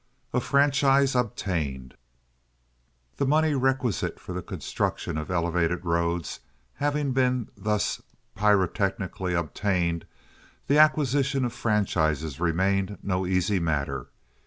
A Franchise Obtained The money requisite for the construction of elevated roads having been thus pyrotechnically obtained, the acquisition of franchises remained no easy matter.